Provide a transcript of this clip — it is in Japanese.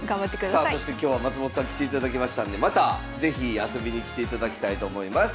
さあそして今日は松本さん来ていただきましたんでまた是非遊びに来ていただきたいと思います。